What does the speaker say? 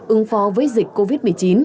ứng phó với dịch covid một mươi chín